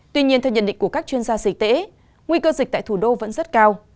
tuy nhiên theo nhận định của các chuyên gia dịch tễ nguy cơ dịch tại thủ đô vẫn rất cao